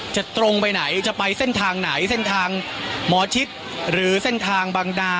ตรงไปไหนจะไปเส้นทางไหนเส้นทางหมอชิดหรือเส้นทางบางดา